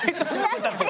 確かに。